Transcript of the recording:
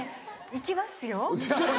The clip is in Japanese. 行きますよ。